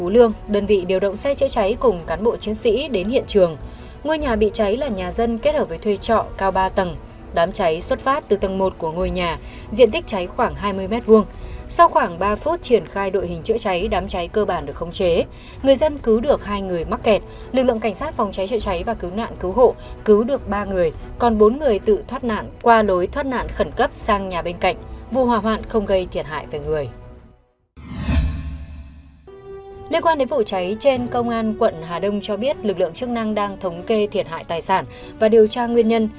liên quan đến vụ cháy trên công an quận hà đông cho biết lực lượng chức năng đang thống kê thiệt hại tài sản và điều tra nguyên nhân